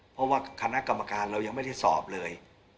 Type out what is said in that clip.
เพราะว่าคณะกรรมการเรายังไม่ได้สอบเลย